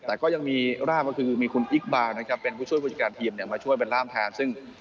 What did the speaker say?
แต่ก็ยังมีร่างค์ว่าคือมีคุณอิขบานนะครับเป็นผู้ช่วยฟูจจากการทีมเอามาช่วยเป็นร่ามแทน